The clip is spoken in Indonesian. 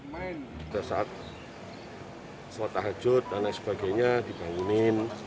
pada saat sholat tahajud dan lain sebagainya dibangunin